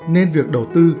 nên việc đầu tư